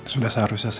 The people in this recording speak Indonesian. tidak ada apa apa